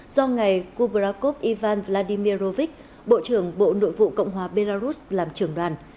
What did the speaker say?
do ngày kubrakov ivan vladimirovich bộ trưởng bộ nội vụ cộng hòa belarus làm trưởng đoàn